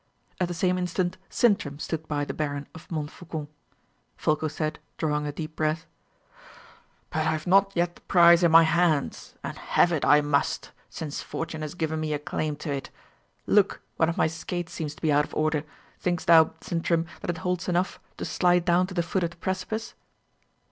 At the same instant Sintram stood by the Baron of Montfaucon. Folko said, drawing a deep breath: "But I have not yet the prize in my hands, and have it I must, since fortune has given me a claim to it. Look, one of my skates seems to be out of order. Thinkest thou, Sintram, that it holds enough to slide down to the foot of the precipice?"